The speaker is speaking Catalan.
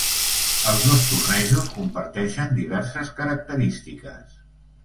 Els dos tornejos comparteixen diverses característiques.